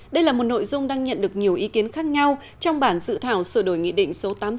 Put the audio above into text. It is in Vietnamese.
đây là một nội dung đang nhận được nhiều ý kiến khác nhau trong bản dự thảo sửa đổi nghị định số tám mươi sáu